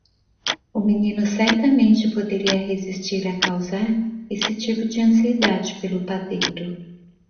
O menino certamente poderia resistir a causar esse tipo de ansiedade pelo padeiro.